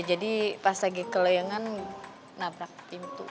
jadi pas lagi kelelangan nabrak pintu